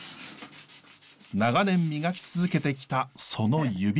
長年磨き続けてきたその指は。